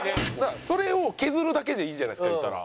それを削るだけでいいじゃないですか言ったら。